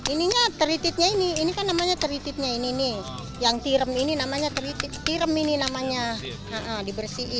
ininya teritipnya ini ini kan namanya teritipnya ini nih yang tirem ini namanya teritip tirem ini namanya dibersihin